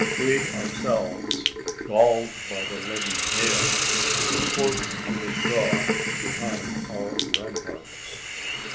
We ourselves, galled by the leaden hail, were forced to withdraw behind our ramparts.